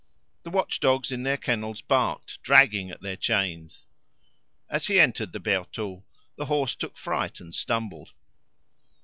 The watchdogs in their kennels barked, dragging at their chains. As he entered the Bertaux, the horse took fright and stumbled.